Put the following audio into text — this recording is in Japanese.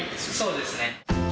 そうですね。